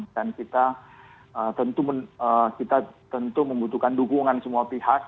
dan kita tentu membutuhkan dukungan semua pihak